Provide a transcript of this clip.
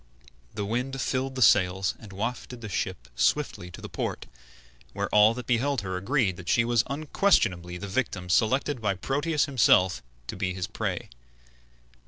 The wind filled the sails and wafted the ship swiftly to the port, where all that beheld her agreed that she was unquestionably the victim selected by Proteus himself to be his prey.